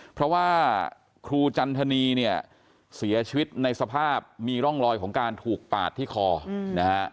เพราะว่าครูจันทนีเนี่ยเสียชีวิตในสภาพมีร่องรอยของการถูกปาดที่คอนะฮะ